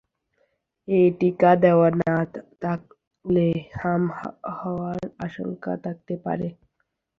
এ টিকা দেওয়া না থাকলে হাম হওয়ার আশঙ্কা থাকতে পারে।